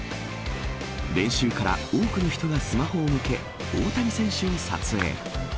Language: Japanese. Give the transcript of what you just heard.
練習から多くの人がスマホを向け、大谷選手を撮影。